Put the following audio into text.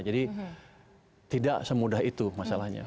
jadi tidak semudah itu masalahnya